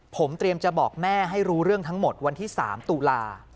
ผมเตรียมจะบอกแม่ให้รู้เรื่องทั้งหมดวันที่๓ตุลา